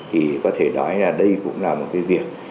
thì có thể nói là đây cũng là một cái việc